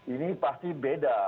ini pasti beda